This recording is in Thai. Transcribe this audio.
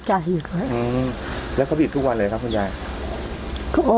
ใจหายตกใจแต่โลกคู่ใจอีกเลย